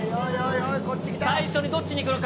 最初にどっちに行くのか。